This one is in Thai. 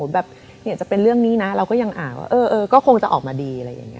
แบบจะเป็นเรื่องนี้นะเราก็ยังอ่านว่าเออก็คงจะออกมาดี